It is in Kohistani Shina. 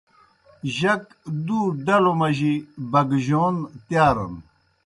جک دُو ڈلوْ مجیْ بگجون تِیارَن۔